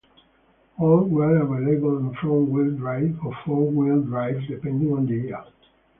All were available in front-wheel drive or four-wheel drive, depending on the year.